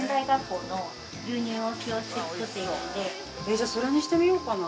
◆じゃ、それにしてみようかな。